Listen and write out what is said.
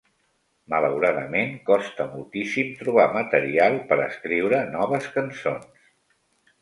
Malauradament, costa moltíssim trobar material per escriure noves cançons.